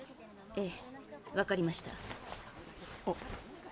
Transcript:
ええわかりました。